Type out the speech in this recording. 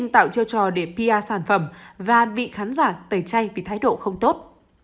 tạo chiêu trò để pia sản phẩm và bị khán giả tẩy chay vì thái độ không tốt